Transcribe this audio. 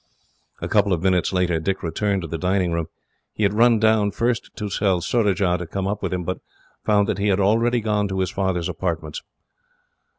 A couple of minutes later, Dick returned to the dining room. He had run down, first, to tell Surajah to come up with him, but found that he had already gone to his father's apartments.